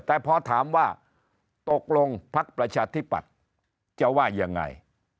แต่พอถามว่าตกลงพักประชาธิปัตย์จะว่ายังไง